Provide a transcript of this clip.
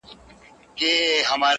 د ساړه ژمي شپې ظالمي توري!